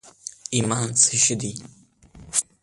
ایمان څه شي دي؟